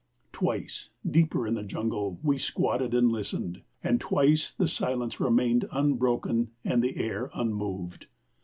Twice, deeper in the jungle, we squatted and listened, and twice the silence remained unbroken and the air unmoved.